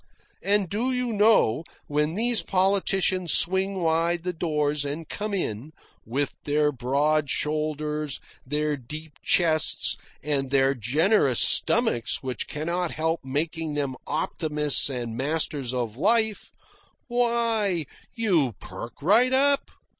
And do you know, when these politicians swing wide the doors and come in, with their broad shoulders, their deep chests, and their generous stomachs which cannot help making them optimists and masters of life, why, you perk right up.